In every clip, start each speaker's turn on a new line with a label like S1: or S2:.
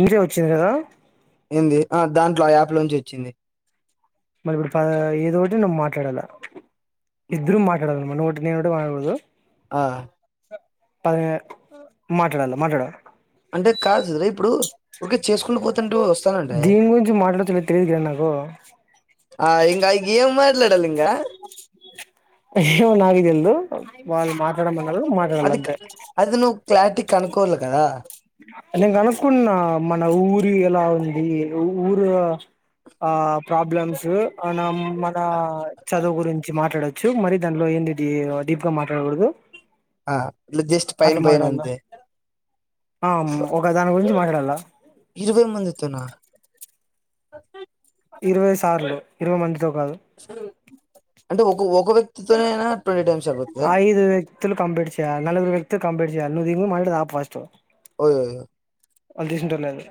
S1: మీరే వచ్చారా?
S2: ఏంది? ఆ దాంట్లో యాప్ లోంచి వచ్చింది.
S1: మరి, ఇప్పుడు ఏద ఒకటి నువు మాట్లాడాల ఇద్దరు మాట్లాడాల నేను ఒకటి నువ్వు ఒకటి మాట్లాడకూడదు.
S2: ఆ
S1: పహే మాట్లాడాల మాట్లాడాల
S2: అంటే కాదులే ఇప్పుడు ఊరికే చేసుకుని పోతే
S1: దీని గురించి మాట్లాడొచ్చిని తెలియదు గానీ నాకు.
S2: ఆ. ఇంగ ఏమ్ మాట్లాడతామ్
S1: నిజంగా నాకు తెల్వదు వాళ్ళు మాట్లాడమని
S2: అది అది నువ్వు క్లారిటీగా కొనుకోవాలి కదా.
S1: నేను కనుక్కున్నా మన ఊరి ఎలా ఉంది. ఊరు ఆ ప్రాబ్లమ్స్ మనం మన చదువు గురించి మాట్లాడొచ్చ. చ్చు మరి దానిలో ఏంటి డీప్ గా మాట్లాడకూడదు.
S2: ఆ ఇలా జస్ట్ పైన
S1: అట్లా
S2: పైన
S1: మాట్లాడాల
S2: అంతే. ఫ
S1: ఒక దాని గురించి మాట్లాడాల.
S2: సే [unintelligible]
S1: ఇరవై సార్లు ఇరవై మంది
S2: అంటే ఒ ఒక్కొక్క
S1: ఐదు వ్యక్తులు పంపించాయల నలగురు వ్యక్తి పంపించాల జియా నువ్వు తిను ముందు రా ఫస్ట్.
S2: ఓయ
S1: వాళ్ళు తీసింటారో లేదో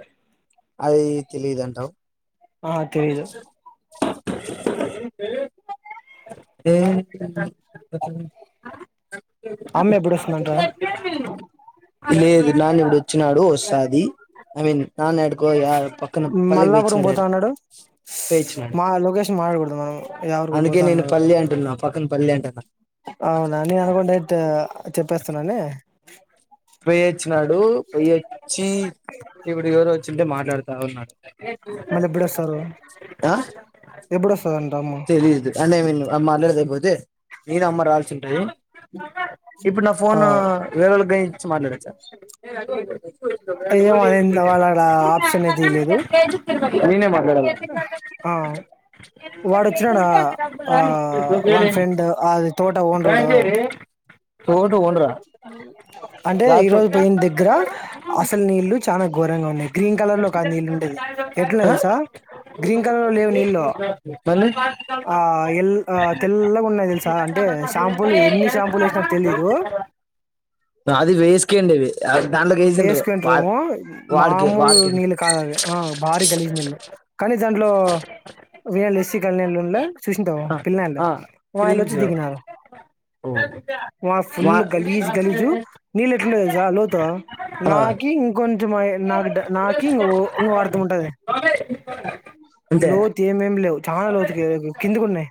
S2: అది తెలియదంటావ్.
S1: ఆ తెలీదు
S2: [unintelligible] ఏ [unintelligible]
S1: అమ్మ ఎప్పుడు వస్తుందంట
S2: లేదు. నానీ ఉండు వచ్చినాడు వస్తాది ఐ మీన్ నాన్న ఎడుకో యార పక్కన పల్లె కి పోయి
S1: మల్లాపురం పోతా
S2: వచ్చినానాడు
S1: అన్నాడు
S2: పోయి వచ్చినాడు
S1: మా లొకేషన్ మాట్లాడకూడదు మనం ఎవరికి
S2: అందుకే
S1: పోతా
S2: నేను
S1: అన్నాడు
S2: పల్లి అంటున్నా పక్కన పల్లి అంటున్నా
S1: అవునా నే అనుకున్నట్టే చెప్పేస్తున్నాని
S2: పోయ వచ్చినాడు పోయచ్చి ఇప్పుడు ఎవరు వచ్చింటే మాట్లాడుతా ఉన్నాడు
S1: మళ్ళీ ఎప్పుడొస్తారు
S2: [unintelligible] ఆ
S1: ఎప్పుడొస్తదంట అమ్మ
S2: తెలియదు అన్నే మీ అమ్మ [unintelligible] నేను అమ్మ రావాల్సి ఉంటి ఇప్పుడు నా
S1: ఆ
S2: ఫోన్ వేరే వాళ్ళకి ఇచ్చి మాట్లాడొచ్చా
S1: ఏమో అది ఇంతవరకు ఆ ఆప్షన్ అయితే ఇయ్యలేదు
S2: నేనే మాట్లాడాల
S1: వాడు వచ్చినాడా ఆ వాని ఫ్రెండ్ అది తోట ఓనరోడు
S2: [unintelligible] ఓన్రా
S1: అంటే
S2: రాతో
S1: ఈరోజు పోయిన దగ్గరదగ్గర అసలు నీళ్ళలు చానా ఘోరంగా ఉ గ్రీన్ కలర్ లో కా నీళ్ళు ఉండేది ఎట్లా
S2: ఆ
S1: తెలుసా గ్రీన్ కలర్ లో లేవు నీళ్లు
S2: మళ్ళీ
S1: ఆ ఎల్ ఆ తెల్లగా ఉన్నాయి తెలుసా అంటే షాంపుూలు ఎన్ని షాంపుూలు వేసినా తెలియదు
S2: అది వేసుకయండి అ దాంట్లోకి వేసిర్రు వా వాడికి
S1: హు
S2: వాడికండి
S1: నీళ్ళలు కాదు అవి ఆ భారీ గలీజ్ నీళ్లు కాని దాంట్లో వీళ్లు ఎస్సీ [unintelligible] చూసంటావు పిల్ల నాయాలు వచ్చి
S2: క్రింజ్
S1: దిగినారు
S2: ఓ.
S1: మా ఫుల్
S2: వా-
S1: గలీజ్ గలీజు నీళ్లు ఎట్లున్నాయి తెలుసా లోతు
S2: ఆ,
S1: నాకి ఇంకో కొంచమ నాకు నాకి ఓ ఓగా అర్థం ఉంటది
S2: [inaudible]
S1: లోతు ఏమేమి లేవు చానా లోతు కిందికున్నాయి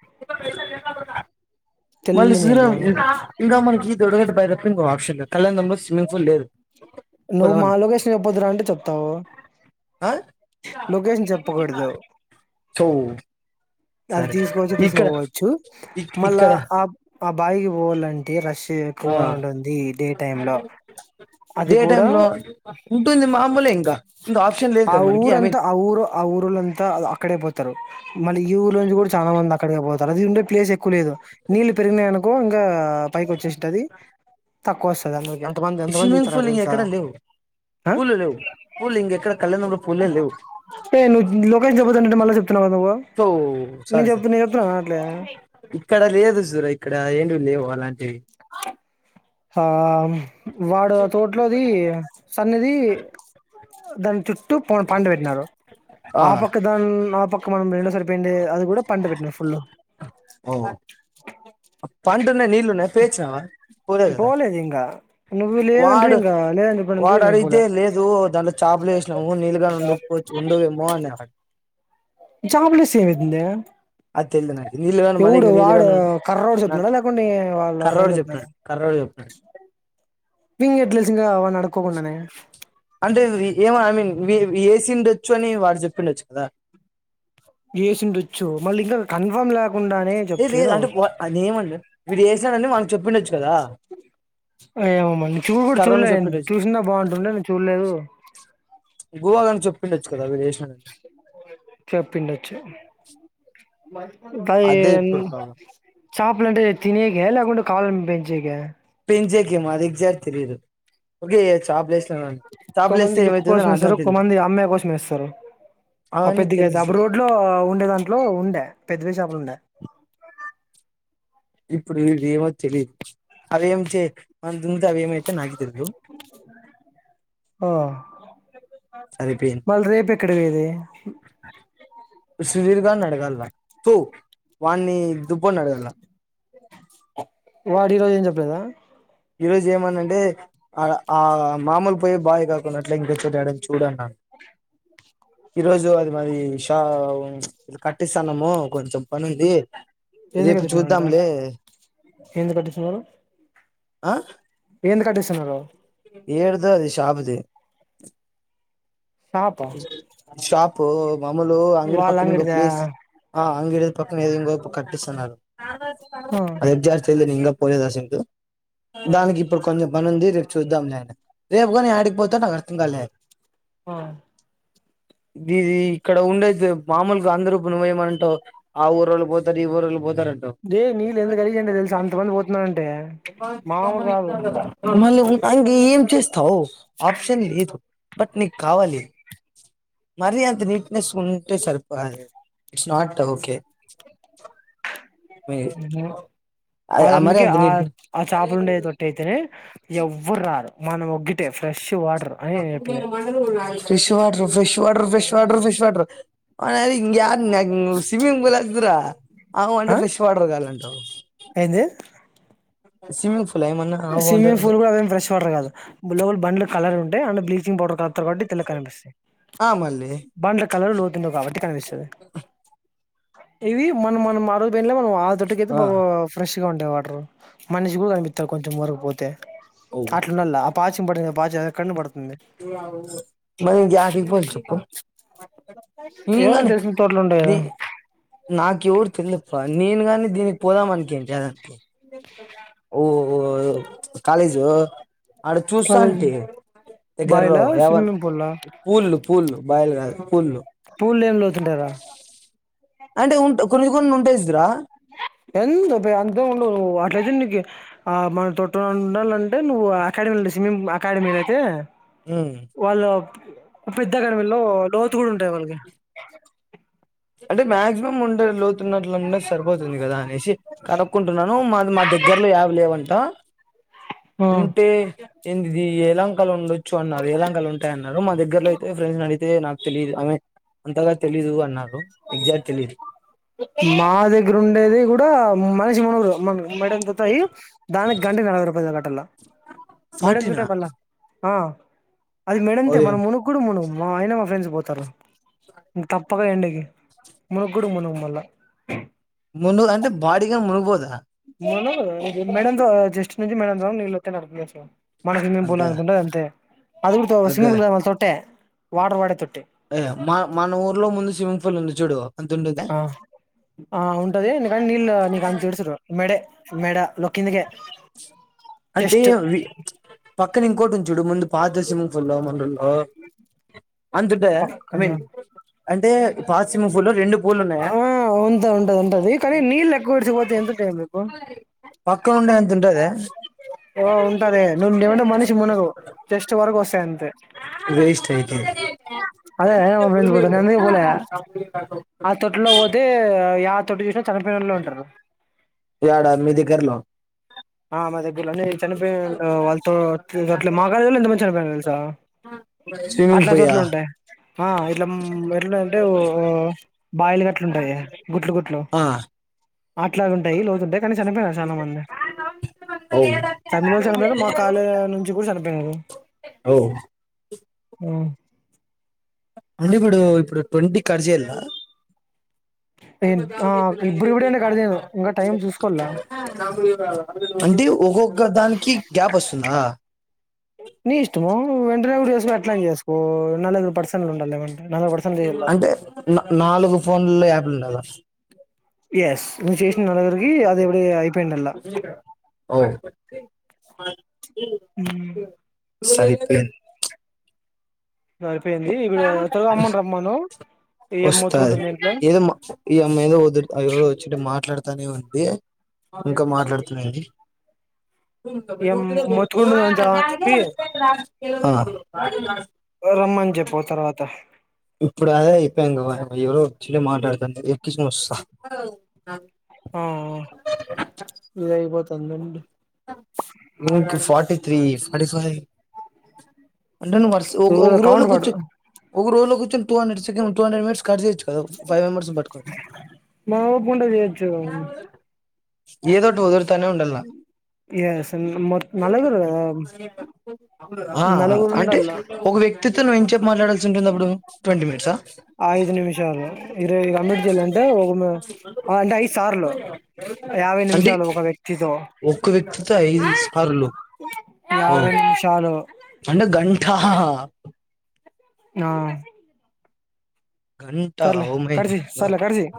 S2: మళ్ళీ చూసర ఇంకా మనకి దొడగట్టు బయట ఇంకో ఆప్షన్ కళ్యాణంలో స్విమ్మింగ్ పూల్ లేదు
S1: నువ్వు మా
S2: పోదామని
S1: లోకేషన్ చెప్పొద్దురు అంటే చెప్తావు
S2: ఆ?
S1: లొకేషన్ చెప్పకూడదు
S2: సో
S1: అది
S2: సరే
S1: తీసుకోచ్చు
S2: ఇక్కడ
S1: తీసుకుపోవచ్చు
S2: ఇక్-
S1: మళ్ళా
S2: ఇక్కడ
S1: ఆ ఆ బాయి కి పోవాలంటే రష్షు ఎక్కువ ఉంటుంది డే టైం మ్ లో అది కూడా
S2: థియేటర్లో లో ఉంటుంది మామూలే ఇంకా ఇంకా ఆప్షన్ లేదు కదా మనకి
S1: ఊరు
S2: ఐ
S1: అంతా
S2: మీన్
S1: ఆ ఊరు ఆ ఊరుళంతా అక్కడే పోతారు మళ్ళీ ఈ ఊర్ళ లా నుంచి కూడా చానా మంది అక్కడి కే తన్నది ఉండే ప్లేస్ ఎక్కువ లేదు నీళ్లు పెరిగినాయి అనుకో ఇంకా పైకి వచ్చేస్తది తక్కువ వస్తది అందరికీ ఎంత మంది ఎంత మంది
S2: స్విమ్మింగ్
S1: తీత్తరట
S2: పూల్
S1: అ తెలుసా
S2: ఇంకెక్కడ లేవు పూలు లేవు పూలు ఇంకెక్కడ కళ్యాణంలో పూలే లేవు
S1: ఏ నువు లోకేష్ చెబతుంటంటే మళ్ చెప్తున్నా
S2: ఓ సారీ సారీ
S1: అట్లే
S2: ఇక్కడ లేదు సరే ఇక్కడ ఎ లేవు అలాంటి
S1: ఆ వాడు తోట్లోది అనేది దాని చుట్టూ పన పండ పెట్టినారు ఆ పక్క దాని ఆ పక్క ఇ మనం రెండోసారిపోయిండే అది కూడా పంట పెట్టిన ఫుల్
S2: ఓహో పంటున్నాయ్ నీళ్లు ఉన్నాయి పైయి వచ్చినవా పోలే కదా
S1: పోలేదు ఇంకా నువ్వు లేదంటివి
S2: వాడు
S1: ఇంకా లేదని చెప్పినంటివి
S2: వాడు
S1: నేను పోలే
S2: అడిగితే లేదు దానిచి టాప్ లు వేసినాము నీళ్లుగానీ ఉండకపోవచ్చు ఉంవేమో అన్నాడు
S1: చాపలేస్తే ఏమైదాతాంది
S2: అది తెలువదు నాకు నీళ్ళుగాని మరి
S1: ఎవడు
S2: ఇంక
S1: వాడు
S2: నీళ్ళుగాని
S1: కర్రోడు చే
S2: నా
S1: డా లేకుండి వాళ్ళ
S2: కర్రోడు
S1: ఫ్రెండ్ [inaudible]
S2: చెప్పినాడు కర్రోడు చెప్పినాడు
S1: పింగ్ ఎట్ల వచ్చిది వాన్ని అడుకకుండానే
S2: అంటే ఏమో ఐ మీన్ వేసి ఉండొచ్చు అని వాడు చెప్పిండొచ్చు కదా
S1: యేసుండొచ్చు మళ్ళీ ఇంకా కన్ఫామ్ లే
S2: ఏ లేదు అంటే వా అది ఏమంటున్న వీడు వేసిడు అని వాని కి చెప్పిండొచ్చు కదా
S1: ఏమమ్ నేను చూడు కూడా
S2: కర్రోనికి
S1: చూడలేదు
S2: చెప్పిండొచ్చు
S1: చూస్తున్న బాగుంటుండే ను చూడలేదు
S2: గోవాగానికి చెప్పిండొచ్చు కదా అవి చేశానని
S1: చెప్పిండచ్చు
S2: అదే
S1: పదిమ్
S2: ఇప్పుడు ప్రాబ్లం
S1: చాపలు అంటే తినేక లేకుంటె కాలం పెంచేక
S2: పెంచేకేమో అది ఎగ్జాట్ తెలీదు ఓకే చాపలు వేసినామని చాపలు
S1: కొమంది
S2: వేస్తే
S1: లుక్
S2: ఏమైతుందో
S1: కోసం ఏస్తరు
S2: నాకుగాని తెలిదు
S1: కొమంది అమ్మాయి కోసం ఏస్తరు అవ్
S2: అవన్నీ
S1: పెద్ది గ అప్
S2: తెలుసు
S1: రోడ్ లో ఉండే దాంట్లో ఉండే పెద్దవి చేపలు ఉండే
S2: ఇప్పుడు ఇది ఏమో తెలీదు అవేం చే మన దుంతే అవి ఏమైతే నాకే తెలీదు
S1: ఆ
S2: సరిపోయింది
S1: మళ్ రేపు ఎక్కడ పోయేది
S2: సుదీర్గాన్నీ అడగాల్ల తూ వాన్నీ దుబ్బో న్ని అడగాల
S1: వాడు ఈ రోజు ఏం చెప్పలేదా
S2: ఈ రోజు ఏమన అంటే ఆ ఆ మామూలు పోయే బాయి కాకుంన్నట్లే ఇంకొచోట యాడైన చూడు అ న్నాడు ఈ రోజు అది మాది ష ఉ ఇది కట్టిస్తాన్నాము కొంచెం పని ఉంది
S1: ఏంది
S2: రేపు
S1: కటిత్నారంట
S2: చూద్దాంలే
S1: ఏంది కట్టిచనారు
S2: ఆ
S1: ఏంది కటిస్స నారు
S2: ఏడిదో అది షాప్ ది
S1: షాప
S2: షాపు మామూలు అంగడి పక్కన ఇంకో
S1: అంగడిదా
S2: ప్లేస్ ఆ అంగిడి పక్కన ఏదో ఇంగోప్ కట్టిస్సనారు
S1: ఆ
S2: అదేడ్జర్జ్ తేల్దని ఇంగా పోలేదశంక దానికి ఇప్పుడు కొంచెం బనింది రేపు చూద్దాం లే అనే రేపు గాని యాడికిపోతడో నాకు అర్థం కాలే
S1: ఆ
S2: గిది ఇక్కడ ఉండేది మామూలుగా అందరూపునమేయమంటవు ఆ ఊరోల్ పోతారు ఈ ఊరోళ్ పోత్ తరు అంటావ్
S1: దే నీళ్ళు ఎంత గలీజంటే తెలుసా అంతమంది పోతున్నారంటే మామూలు కాదు
S2: మళ్ళీ ఉమ్ అంగ ఏం చేస్తావు ఆప్షన్ లేదు బట్ నీకు కావాలి మరి అంత నీట్నెస్ ఉంటే సరిపోదండి ఇట్స్ నాట్ ఓకే మీ
S1: అదిఅన్దుకే ఆ ఆ చేపలు ఉండే తొట్టి అయితేనే ఎవ్వరు రారు మనం ఒగ్గితే ఫ్రెష్ వాటర్ అని నేను చెప్పినది
S2: fresh water fresh water fresh water fresh water ఆనలికి ఇంగా డన నువ్ స్విమ్మింగ్ పూల్ అదిరా అ ఒంటే
S1: ఆ
S2: ఫ్రెష్ వాటర్ కావాలంటవు
S1: ఏంది
S2: సిమ్మింగ్ ఫు
S1: స్విమ్మింగ్ పూల్ కూడా అదేం ఫ్రెష్ వాటర్ కాదు లోబల్ బండ్లు కలర్ ఉంటయి అండ్ బ్లీచింగ్ పౌడర్ కలర్ తట్టి తెల్ల కనిపిస్తాయి
S2: ఆం
S1: బన్డ్ల కలర్ లోతుండ కాబట్టి కనిపిస్తది ఇవి మనం మనం ఆరోజు పొయ్లా మనం ఆ తొట్టికి అయితే
S2: ఆ,
S1: బా ఫ్రెష్ గా ఉంటాయి వాటర్ మనిషి కూడా కనిపిత్త రు కొంచెం వరకుపోతే
S2: ఓ.
S1: అట్లు ఉండాల ఆ పాచం పడిన పాచం కన్ను పడుత్
S2: మనం గ్యాటి కిపోళ్ల చెప్పు
S1: ఏ
S2: నేను కానీ
S1: తెలిసిన తోటలు ఉంటాయి కదా
S2: నీ నాకెవరు తెలిదప్ప నేను గాని దీనికి పోదామనుకొంటి ఆదానికే ఓ ఓ కాలేజ్ ఆడ
S1: కాలేజ్
S2: చూస్సాంటి దగ్గరలో
S1: బావిలా
S2: యా వన్
S1: స్విమ్మింగ్ పూల్ లా
S2: పూల్లు పూల్లు బాయిల్ కాదు పూల్లు
S1: పూలేం లోతు ఉంటాయ్ రా
S2: అంటే ఉంట కొన్నీ కొన్ని ఉంటేయ్ జూర్ర
S1: ఎంత పె అంతే ఏమ్ ఉండవు నువ్ అట్లే నీకి ఆ మనం తొట్టు ఉండాలంటే నువ్వు అకాడమీ ఉండే స్విమ్మింగ్ అకాడమీల అయితే వల పెద్దగాని వీళ్ళ లోతు కూడా ఉంటాయి వాళ్ళకి
S2: అంటే మాక్సిమం ఉండే లో న్నట్లున్నది సరిపోతుంది కదా అనేసి కడుక్కుంటున్నాను మా మా దగ్గరలో యావ లేవంట
S1: ఆ
S2: ఉంటే ఏంటిది ఏలంకలు ఉండొచ్చు అన్నారు ఏలాంగా ఉంటాయన్నారు మా దగ్గరలో అతే ఫ్రెండ్స్ అడియితే నా తెలీదు ఆమె అంతగా తెలీదు అన్నారు ఎగ్జాక్ట్ తెలీదు
S1: మా దగ్గర ఉండేది కూడాడా మనిషి మనరు మన మేడన్ తతాయ దానిక్ గంటె నలవదు రూపాయి గట్టల్ మేడంగ్
S2: ఫార్టీనా
S1: దుటా పల్ల ఆ అది మెడంతే
S2: ఓయ్
S1: మనం మునుగ కూడా మును మా అయినా మా ఫ్రెండ్స్ పోతారు తప్పగా ఎండకి మునుగ్గుడు మునుగ మళ్ళా
S2: మునుగు అంటే బాడిగా మునుగబోదా
S1: నను మేడంద జస్ట్ నుంంచి మేడంద నిలతే నడద స మన స్విమ్మింగ్ పూల్
S2: అగ్గా
S1: అనే ఉంటదు అంతే అది కూడా స్విమ్మింగ్
S2: అగ్గా
S1: పూల్ మ తొట్టే వాటర్ వాడే తొట్టే
S2: ఏ మా మన ఊర్లో ముందు స్విమ్మింగ్ పూల్ ఉంది చూడు అంత ఉంటుందా
S1: ఆ ఆ ఉంటది నకా నీల్ నీకా అంతడ్స్రు మెడ మేడ లోొకిందక
S2: అంటే పక్కన ఇంకోటి ఉంచుడు ముందు పదర్శం ఫుల మన ఓ అంతంటే ఐ
S1: పక్కన
S2: మీన్ అంటే పాశ్చమ పులో రెండు పూల్ ఉన్నాయి
S1: ఆ ఉంతా ఉంటది ఉంటది కానీ నీళ్ళు లెక్కగడిచపోతే ఎంత టై మీకు
S2: పక్కన ఉండే ఎంతతుంటే
S1: ఓ ఉంటద నువ్ ఏమంటే మనిషి మునగు జస్ట్ వరకు వస్తాయి
S2: వేస్ టయికా
S1: అదే పోత నందుక పోలే ఆ తొట్లో పోతే తోటి చోసిన
S2: ఎడా మీ దగరలో
S1: ఆ మ దగరలో అన్నీ చనిపోయి వాళ్ళతో అట్ మా కాళ ఎంత మంది చనిపోయినా తెలుసా
S2: స్విమింగ్
S1: అట్లా
S2: పోయా
S1: చోట్లు ఉంటాయి ఆ ఇట్లా ఎట్లా అంటే బాయిల్ గట్లు ఉంటాయ గుట్లు గుట్లు
S2: ఆ
S1: అట్లాది ఉంటాయి లోతుంటాయి కానీ చనిపోయిారు చాలా మంది
S2: ఓ
S1: తమిళజు చనిపోయారు మా కళే నుంచి కూడా చనిపోయి
S2: ఓ
S1: ఆ
S2: అంటే ఇప్పుడు ఇప్పుడు ట్వంటీ కర్జేలా
S1: [inaudible]
S2: అది మ
S1: ఆ ఇప్పుడు ఇప్పుడే
S2: ఎ
S1: అంటే
S2: క
S1: కట్ చేయను ఇంకా టైం చూసుకోవాల
S2: అ అంట ఒక్కక్క
S1: నీ ఇష్టము వెంటనే కూడా చేసుకో అట్లాని చేసుకో ఎ పర్సనల్ ఉండ అా మేడి
S2: అంటే నాలుగు ఫోన్లో యాప్లు ఉన్నా కదా
S1: స్ ను చేషిన నలగరకి అది ఎవడ అయిపోయిండల
S2: సైపి
S1: సారిపోయింది ఇప్పుడు చరవు అమ్మండమ్మాను
S2: వస్తాది ఏదో ఈమె ఏదో వదు ఎవడో వచ్చి మాట్లాడుతానే ఉంది ఇంకా మాట్లాడుతునేంది
S1: ఏం
S2: అదిగ
S1: మొత్తుకుంటుందని చెప్పి రమ్మని చెప్ప తర్వాత
S2: ఇప్పుడు అదే అయిపోయి ఎవరో వచ్చలే మాట్లాడుతం ఎకిస వస్తా
S1: ఆ ఇ ఇపోతు అంతెం
S2: ఫటీ త్రి ఫటీ ఫైవ్ వ
S1: చూ కౌంట్
S2: రజు
S1: పడు
S2: కూచు ఒక రజు కూర్చొనే టూ త్వోహండ్రెడ్సెకండ్ టూ హండ్రెడ్ మిట్స్ కట్ చే తెచ్చుకో ఫైవ్ మెంబర్స్ పట్టుకోని
S1: మా ఓపుకుంటే చేయొచ్చు
S2: ఏదోట వదురుతన్న ఉండల్
S1: ఎస్ మొ నలగురుద
S2: ఆ అంటే ఒక వ్యక్తితో నువ్వు ఏం చెప్పి మాట్లాడ
S1: ఐదు నిమిషాలు ఇరు అబేడ్ జిల్ అంత అంటే ఐదు సార్లు యాభై నిమిషాలు ఒక వ్యక్తితో
S2: ఒ వ్యక్తితో ఐదు సార్లో
S1: యాభై నిమిషాలు
S2: అండగంఠా
S1: ఆ
S2: గంట
S1: సర్లే
S2: ఉ మయ
S1: కట్సేయ్ సర్లే కట్సేయ్